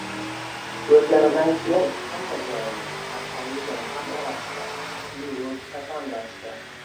O‘lganidan keyin hamma joyini, hatto yuzini ham o‘rashdi: yuvib, kafanlashdi.